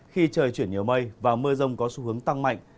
khi trời chuyển nhiều mây và mưa rông có xu hướng tăng mạnh